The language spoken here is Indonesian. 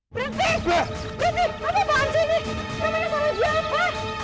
berhenti berhenti apa apaan sini namanya sama dia apa